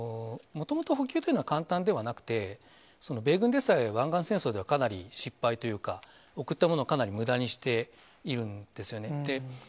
もともと補給というのは簡単ではなくて、米軍でさえ、湾岸戦争ではかなり失敗というか、送ったものを、かなりむだにしているんですよね。